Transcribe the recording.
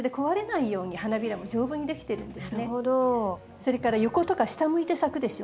それから横とか下向いて咲くでしょ？